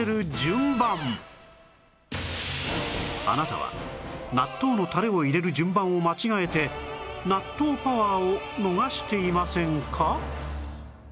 あなたは納豆のタレを入れる順番を間違えて納豆パワーを逃していませんか？